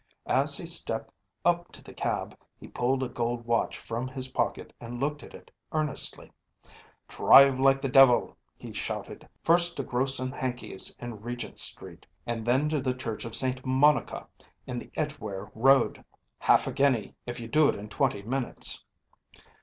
As he stepped up to the cab, he pulled a gold watch from his pocket and looked at it earnestly, ‚ÄėDrive like the devil,’ he shouted, ‚Äėfirst to Gross & Hankey’s in Regent Street, and then to the Church of St. Monica in the Edgeware Road. Half a guinea if you do it in twenty minutes!